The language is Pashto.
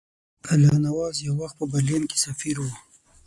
الله نواز یو وخت په برلین کې سفیر وو.